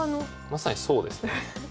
まさにそうですね。